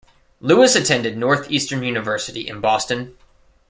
Lewis attended Northeastern University in Boston.